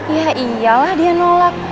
ya iyalah dia nolak